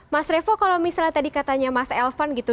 mas revo kalau misalnya tadi katanya mas elvan gitu